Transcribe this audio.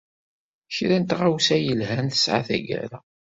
Kra n tɣawsa yelhan tesɛa tagara.